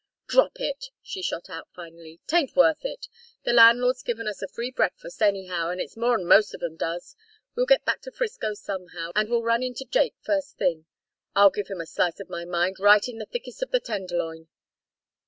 "Drop it," she shot out, finally. "'Tain't worth it. The landlord's given us a free breakfast, anyhow, and it's more'n most of 'em does. We'll get back to 'Frisco somehow, and will run into Jake first thing. I'll give him a slice of my mind right in the thickest of the Tenderloin.